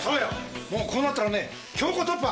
もうこうなったらね強行突破。